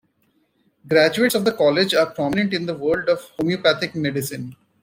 Graduates of the college are prominent in the world of Homeopathic Medicine.